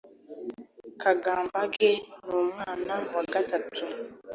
Kagambage ni umwana wa gatatu